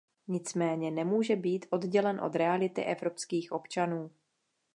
Nicméně nemůže být oddělen od reality evropských občanů.